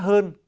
và đồng thời